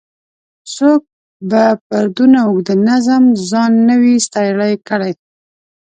څوک به پر دونه اوږده نظم ځان نه وای ستړی کړی.